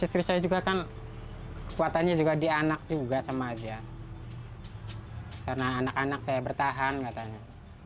istri saya juga kan kekuatannya juga di anak juga sama aja karena anak anak saya bertahan katanya